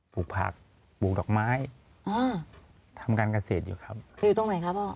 ปลูกผักปลูกดอกไม้อ่าทำการเกษตรอยู่ครับอยู่ตรงไหนครับพ่อ